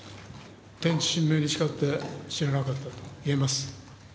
天地神明に誓って知らなかったと言えます。